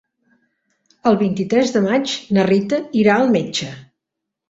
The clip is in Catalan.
El vint-i-tres de maig na Rita irà al metge.